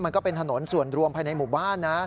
ก็เป็นถนนส่วนรวมภายในหมู่บ้านนะ